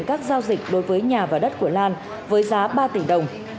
các giao dịch đối với nhà và đất của lan với giá ba tỷ đồng